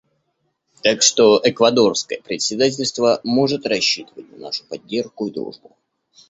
Так что эквадорское председательство может рассчитывать на нашу поддержку и дружбу.